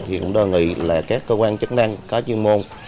thì cũng đơn vị là các cơ quan chức năng có chuyên môn